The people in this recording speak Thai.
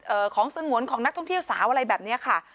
เอามือไปจับของซึงหวนของนักท่องเที่ยวสาวอะไรแบบนี้ค่ะ